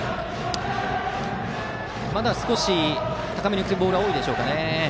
まだ少し高めに浮くボールが多いでしょうか。